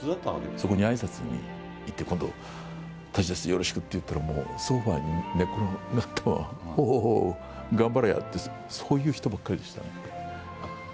そこにあいさつに行って、今度、舘です、よろしくって言ったら、ソファに寝っ転がったまま、おお、頑張れやって、そういう人ばっかりでしたね。